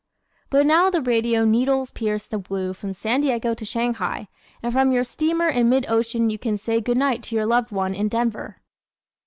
But now the radio needles pierce the blue from San Diego to Shanghai and from your steamer in mid ocean you can say good night to your loved one in Denver.